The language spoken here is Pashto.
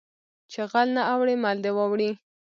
ـ چې غل نه اوړي مل دې واوړي .